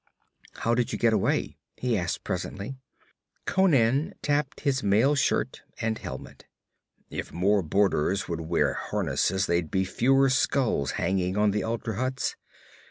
'How did you get away?' he asked presently. Conan tapped his mail shirt and helmet. 'If more borderers would wear harness there'd be fewer skulls hanging on the altar huts.